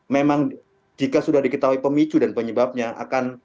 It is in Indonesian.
memang jika sudah diketahui pemicu dan penyebabnya akan